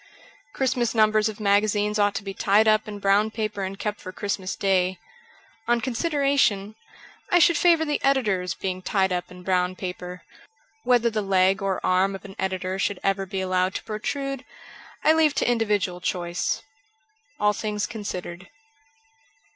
Christmas numbers of magazines ought to be tied up in brown paper and kept for Christmas Day. On consideration, I should favour the editors being tied up in brown paper. Whether the leg or arm of an editor should ever be allowed to pro trude I leave to individual choice. 'Jll Things Considered.'